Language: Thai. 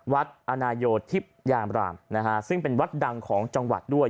วัดอาณาโยธิพยาหร่ามซึ่งเป็นวัดดังของจังหวัดด้วย